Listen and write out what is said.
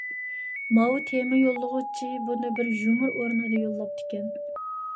ماۋۇ تېما يوللىغۇچى بۇنى بىر يۇمۇر ئورنىدا يوللاپتىكەن.